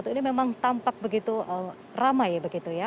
ini memang tampak begitu ramai begitu ya